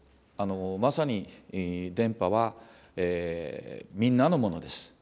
まさに電波はみんなのものです。